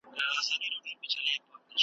هسي نه چي مي د پښو له لاسه مات سم `